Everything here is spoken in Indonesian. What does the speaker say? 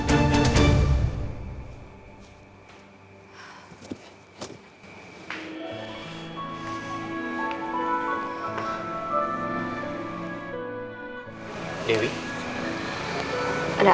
condol aja sama fahri